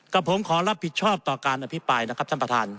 กับผมขอรับผิดชอบต่อการอภิปรายนะครับท่านประธาน